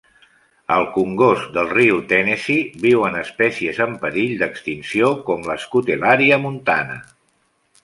Al congost del riu Tennessee viuen espècies en perill d'extinció com la Scutellaria montana.